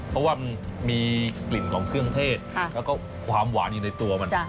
เพราะว่ามันมีกลิ่นของเครื่องเทศแล้วก็ความหวานอยู่ในตัวมัน